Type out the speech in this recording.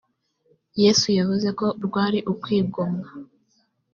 yesu yavuze ko rwari ukwigomwa